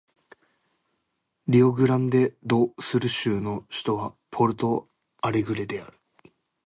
リオグランデ・ド・スル州の州都はポルト・アレグレである